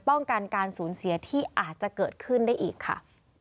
ป้องกันการสูญเสียที่อาจจะเกิดขึ้นได้อีกค่ะ